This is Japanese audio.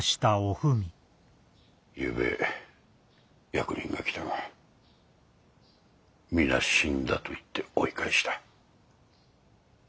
ゆうべ役人が来たが「皆死んだ」と言って追い返した。